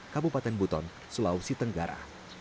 kabupaten buton sulawesi tenggara